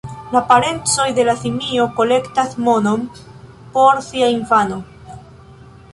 La parentoj de la simio kolektas monon por sia infano.